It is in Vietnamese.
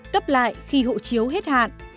cấp lại khi hộ chiếu hết hạn